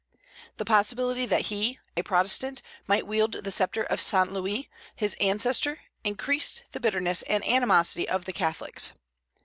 The possibility that he, a Protestant, might wield the sceptre of Saint Louis, his ancestor, increased the bitterness and animosity of the Catholics.